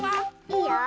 いいよ。